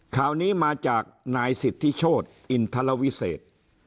ข่าวนี้มาจากนายสิทธิโชธอินทรวิเศษ